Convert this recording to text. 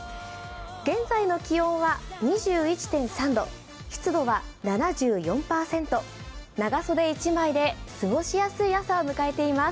現在の気温は２１．３度、湿度は７４％、長袖１枚で過ごしやすい朝を迎えています。